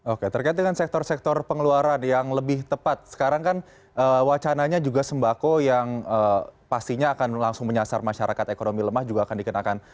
oke terkait dengan sektor sektor pengeluaran yang lebih tepat sekarang kan wacananya juga sembako yang pastinya akan langsung menyasar masyarakat ekonomi lemah juga akan dikenakan